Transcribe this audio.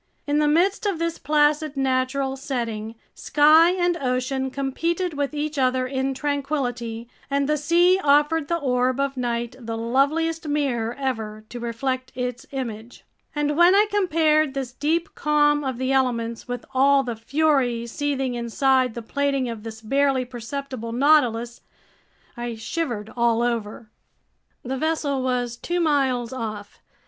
In the midst of this placid natural setting, sky and ocean competed with each other in tranquility, and the sea offered the orb of night the loveliest mirror ever to reflect its image. And when I compared this deep calm of the elements with all the fury seething inside the plating of this barely perceptible Nautilus, I shivered all over. The vessel was two miles off.